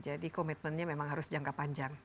jadi komitmennya memang harus jangka panjang